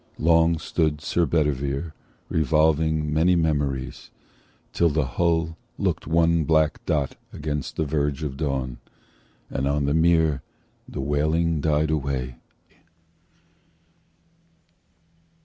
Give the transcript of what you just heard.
Long stood Sir Bedivere Revolving many memories, till the hull Looked one black dot against the verge of dawn, And on the mere the wailing died away.